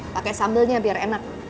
pake sambelnya biar enak